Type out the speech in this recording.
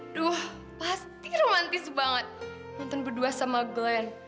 aduh pasti romantis banget nonton berdua sama glenn